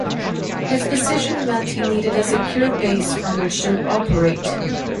His position meant he needed a secure base from which to operate.